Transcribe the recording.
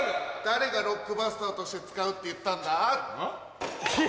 誰がロックバスターとして使うって言ったんだ？